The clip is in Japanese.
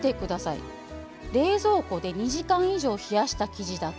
冷蔵庫で２時間以上冷やした生地だと